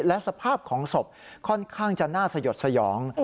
และสภาพของศพค่อนข้างจะน่าสยดสยอง